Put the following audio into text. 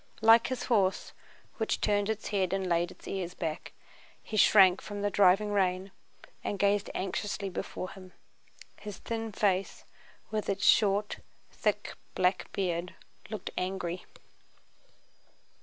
Like his horse, which turned its head and laid its ears back, he shrank from the driving rain and gazed anxiously before him. His thin face with its short, thick black beard looked angry.